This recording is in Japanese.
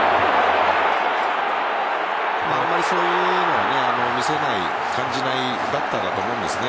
あまりそういうのは見せない、感じないバッターだと思うんです。